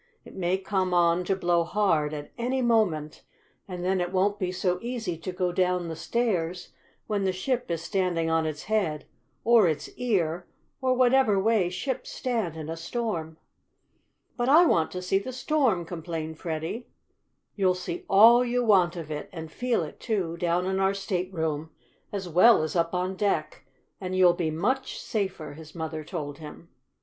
It may come on to blow hard at any moment, and then it won't be so easy to go down the stairs when the ship is standing on its head, or its ear, or whatever way ships stand in a storm." "But I want to see the storm!" complained Freddie. "You'll see all you want of it, and feel it, too, down in our stateroom, as well as up on deck, and you'll be much safer," his mother told him.